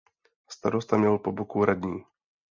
Starosta měl po boku radní.